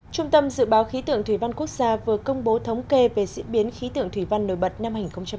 trung tâm dự báo khí tượng thủy văn quốc gia vừa công bố thống kê về diễn biến khí tượng thủy văn nổi bật năm hai nghìn một mươi chín